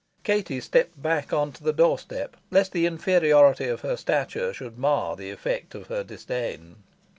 Katie stepped back on to the doorstep, lest the inferiority of her stature should mar the effect of her disdain.